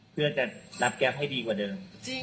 เพื่อจะรับแก๊ปให้ดีกว่าเดิม